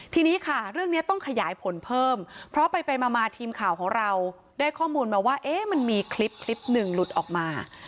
ทีนี้ค่ะเรื่องนี้ต้องขยายผลเพิ่มเพราะไปมาทีมข่าวของเราได้ข้อมูลมาว่ามันมีคลิปคลิปหนึ่งหลุดออกมา